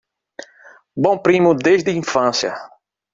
Bom primo desde a infância